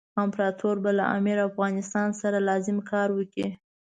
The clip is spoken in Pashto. امپراطور به له امیر او افغانستان سره لازم کار وکړي.